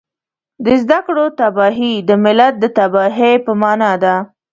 د زده کړو تباهي د ملت د تباهۍ په مانا ده